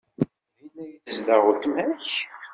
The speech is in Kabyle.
Din ay tezdeɣ weltma-k?